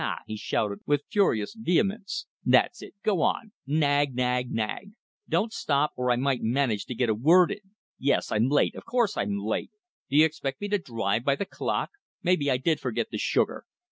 na!" he shouted, with furious vehemence. "That's it! Go on! Nag, nag, nag! Don't stop, or I might manage to get a word in! Yes, I'm late, of course I'm late! Do you expect me to drive by the clock? Maybe I did forget the sugar!